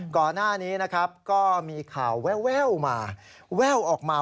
ก่อนหน้านี้นะครับก็มีข่าวแววมา